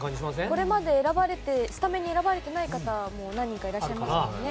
これまでスタメンに選ばれていない方も何人かいらっしゃいますからね。